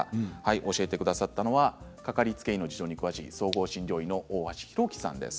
教えてくださったのはかかりつけ医の事情に詳しい総合診療医の大橋博樹さんです。